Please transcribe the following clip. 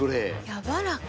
やわらか。